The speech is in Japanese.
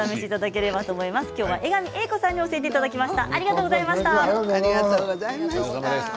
きょうは江上栄子さんに教えていただきました。